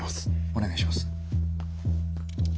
お願いします。